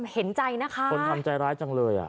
เห็นใจนะคะคนทำใจร้ายจังเลยอ่ะ